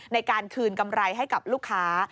ในการคืนกำไรให้กับลูกค้า